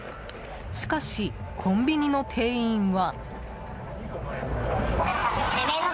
しかし、コンビニの店員は。